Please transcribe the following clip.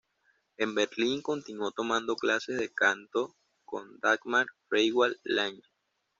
En Berlín continuó tomando clases de canto con Dagmar Freiwald-Lange.